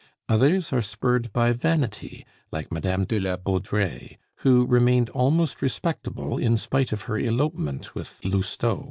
Others are spurred by vanity, like Madame de la Baudraye, who remained almost respectable in spite of her elopement with Lousteau.